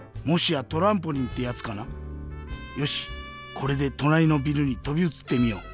これでとなりのビルにとびうつってみよう。